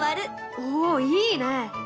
おおいいね。